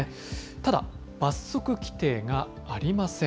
ただ、罰則規定がありません。